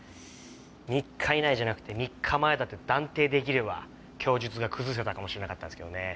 ３日以内じゃなくて３日前だって断定出来れば供述が崩せたかもしれなかったんですけどね。